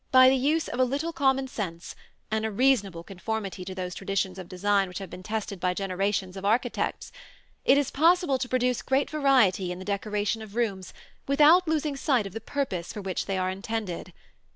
By the use of a little common sense and a reasonable conformity to those traditions of design which have been tested by generations of architects, it is possible to produce great variety in the decoration of rooms without losing sight of the purpose for which they are intended.